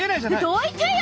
どいてよ！